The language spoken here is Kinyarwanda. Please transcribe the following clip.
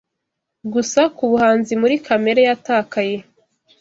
Gusa kubuhanzi muri kamere yatakaye